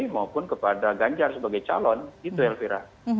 maupun kepada ganjar sebagai calon itu yang viral